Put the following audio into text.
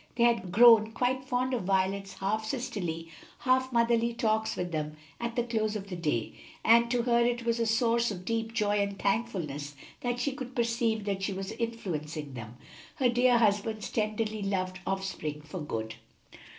They had grown quite fond of Violet's half sisterly, half motherly talks with them at the close of the day, and to her it was a source of deep joy and thankfulness that she could perceive that she was influencing them her dear husband's tenderly loved offspring for good.